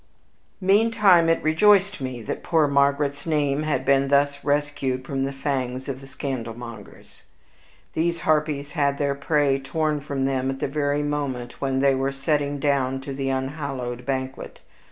Meantime, it rejoiced me that poor Margaret's name had been thus rescued from the fangs of the scandalmongers. These harpies had their prey torn from them at the very moment when they were sitting down to the unhallowed banquet.